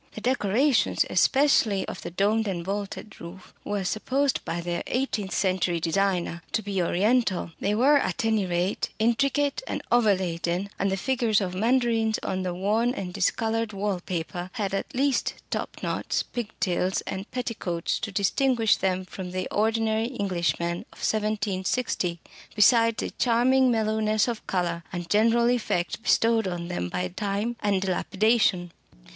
The decorations, especially of the domed and vaulted roof, were supposed by their eighteenth century designer to be "Oriental"; they were, at any rate, intricate and overladen; and the figures of mandarins on the worn and discoloured wall paper had, at least, top knots, pigtails, and petticoats to distinguish them from the ordinary Englishmen of 1760, besides a charming mellowness of colour and general effect bestowed on them by time and dilapidation.